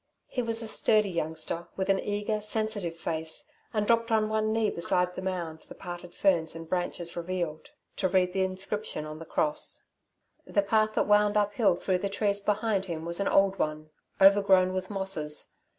He was a sturdy youngster, with an eager, sensitive face, and dropped on one knee beside the mound the parted ferns and branches revealed, to read the inscription on the cross. The path that wound uphill through the trees behind him was an old one, overgrown with mosses.